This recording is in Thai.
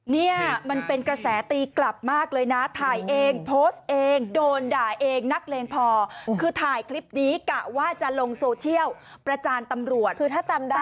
ในวิทยาลัยเที่ยวประจาณตำรวจ